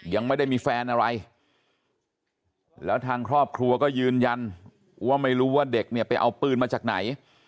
ยังไม่ได้มีแฟนอะไรแล้วทางครอบครัวก็ยืนยันว่าไม่รู้ว่าเด็กเนี่ยไปเอาปืนมาจากไหน